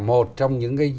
một trong những cái